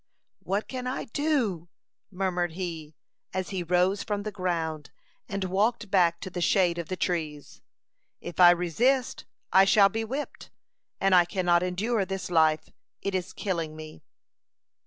"What can I do!" murmured he, as he rose from the ground, and walked back to the shade of the trees. "If I resist, I shall be whipped; and I cannot endure this life. It is killing me."